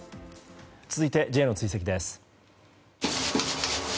続いて、Ｊの追跡です。